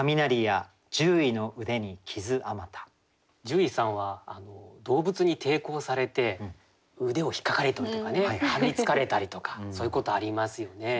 獣医さんは動物に抵抗されて腕をひっかかれたりとかねかみつかれたりとかそういうことありますよね。